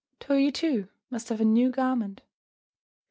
Toyo, too, must have a new garment."